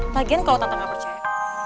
lagian kalau tante gak percaya